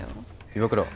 岩倉